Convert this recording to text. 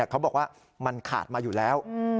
เขาบอกว่ามันขาดมาอยู่แล้ว